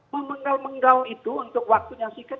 memenggal menggal itu untuk waktunya singkat